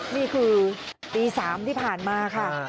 นี่คือตี๓ที่ผ่านมาค่ะ